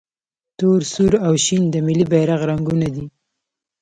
تور، سور او شین د ملي بیرغ رنګونه دي.